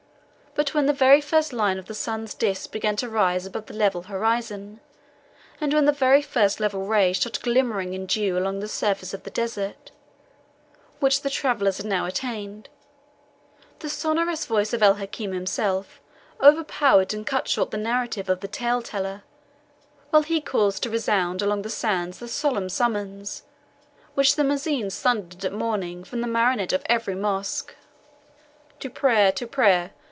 But when the very first line of the sun's disk began to rise above the level horizon, and when the very first level ray shot glimmering in dew along the surface of the desert, which the travellers had now attained, the sonorous voice of El Hakim himself overpowered and cut short the narrative of the tale teller, while he caused to resound along the sands the solemn summons, which the muezzins thunder at morning from the minaret of every mosque. "To prayer to prayer!